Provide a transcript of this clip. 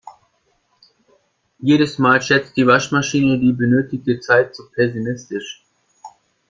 Jedes Mal schätzt die Waschmaschine die benötigte Zeit zu pessimistisch.